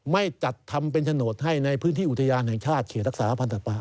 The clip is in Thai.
ไม่จัดทำเป็นโฉนดให้ในพื้นที่อุทยานแห่งชาติเขตรักษาพันธ์สัตว์ป่า